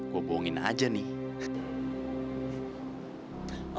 hubungin aja nih